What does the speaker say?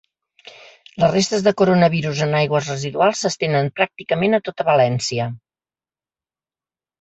Les restes de coronavirus en aigües residuals s’estenen ‘pràcticament a tota València’